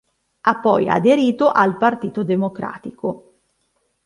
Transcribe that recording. Ha poi aderito al Partito Democratico.